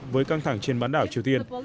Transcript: với căng thẳng trên bán đảo triều tiên